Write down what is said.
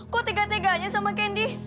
kok tega teganya sama kendi